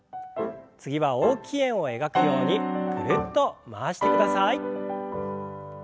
次は大きい円を描くようにぐるっと回してください。